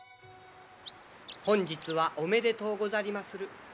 本日はおめでとうござりまする。